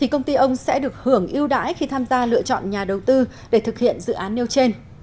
công ty ông sẽ được hưởng ưu đãi khi tham gia lựa chọn nhà đầu tư để thực hiện dự án nêu trên